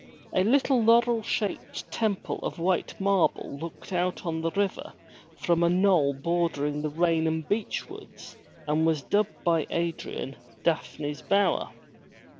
A little laurel shaded temple of white marble looked out on the river from a knoll bordering the Raynham beechwoods and was dubbed by Adrian, Daphne's Bower.